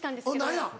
何や？